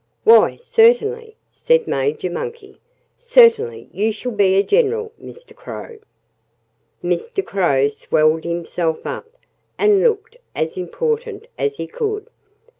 "Why, certainly!" said Major Monkey. "Certainly you shall be a general, Mr. Crow." Mr. Crow swelled himself up and looked as important as he could.